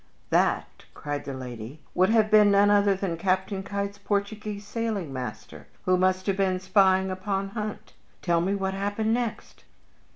"That," cried the lady, "could have been none other than Captain Keitt's Portuguese sailing master, who must have been spying upon Hunt! Tell me what happened next!"